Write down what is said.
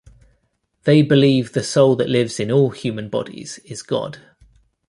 They believe the soul that lives in all human bodies is God.